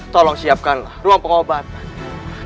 tolong siapkanlah ruang pengobatan